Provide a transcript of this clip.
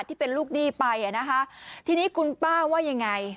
ที่เป็นลูกหนี้ไปอ่ะนะคะทีนี้คุณป้าว่ายังไง